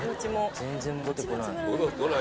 全然戻ってこない。